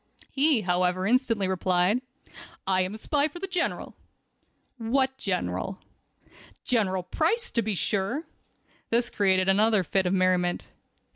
He, however, instantly replied: "I am a spy for the General." "What General?" "General Price, to be sure." This created another fit of merriment.